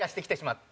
って。